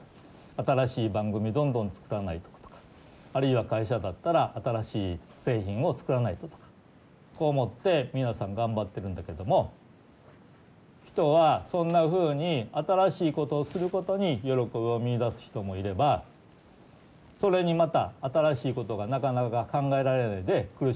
新しい番組どんどん作らないととかあるいは会社だったら新しい製品を作らないととかこう思って皆さん頑張ってるんだけれども人はそんなふうに新しいことをすることに喜びを見いだす人もいればそれにまた新しいことがなかなか考えられないで苦しむ人もいるわけ。